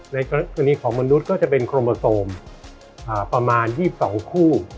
ในกรณีของมนุษย์ก็จะเป็นโครโมโซมประมาณ๒๒คู่